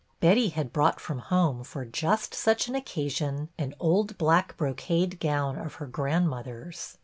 Betty had brought from home, for just such an occasion, an old black brocade gown of her grandmother's.